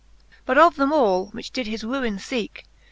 XIII. But of them all, which did his ruine feeke.